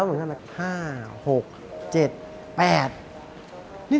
นี่สมาชิกใหม่หรือเปล่า